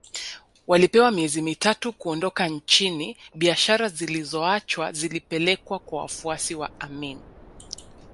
Walipewa miezi mitatu kuondoka nchini biashara zilizoachwa zilipelekwa kwa wafuasi wa Amin